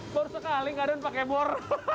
bor sekali gak ada yang pake bor